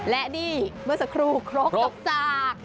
และนี่เมื่อสักครู่ครกตกจาก